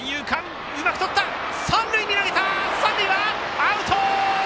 三塁はアウト！